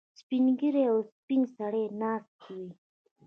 سپین ږیري او سپین سرې ناستې وي.